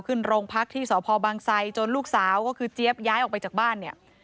ขึ้นโรงพักที่สสพบรรคไซด์จนนรุกสาวก็คือก็คือเจี๊ยบย้ายออกไปจากบ้านเนี้ย